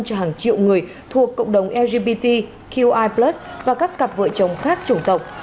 cho hàng triệu người thuộc cộng đồng lgbt qi và các cặp vợ chồng khác chủng tộc